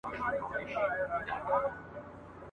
چي به پورته سوې څپې او لوی موجونه ..